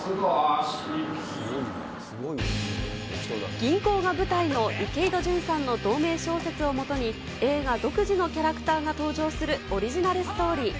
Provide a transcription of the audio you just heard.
銀行が舞台の池井戸潤さんの同名小説をもとに、映画独自のキャラクターが登場するオリジナルストーリー。